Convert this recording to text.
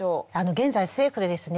現在政府でですね